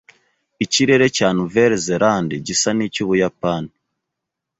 Ikirere cya Nouvelle-Zélande gisa n'icy'Ubuyapani.